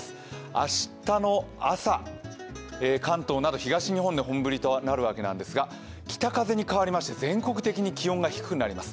明日の朝、関東など東日本で本降りになるわけなんですが北風に変わりまして全国的に気温が低くなります。